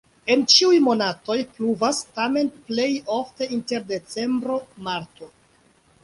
En ĉiuj monatoj pluvas, tamen plej ofte inter decembro-marto.